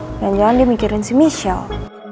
jangan jangan dia mikirin si michel